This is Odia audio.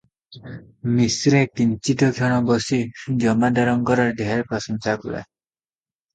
ମିଶ୍ରେ କିଞ୍ଚିତକ୍ଷଣ ବସି ଜମାଦାରଙ୍କର ଢେର ପ୍ରଶଂସା କଲେ ।